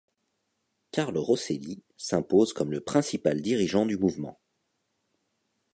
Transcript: Carlo Rosselli s'impose comme le principal dirigeant du mouvement.